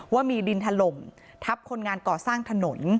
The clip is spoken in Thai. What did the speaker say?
ว่ามีดินถล่มทับคนงานก่อสร้างถนน